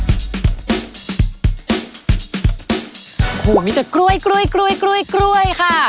โอ้โหมีแต่กล้วยค่ะ